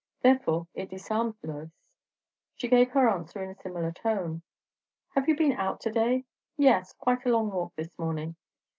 Therefore it disarmed Lois. She gave her answer in a similar tone. "Have you been out to day?" "Yes quite a long walk this morning."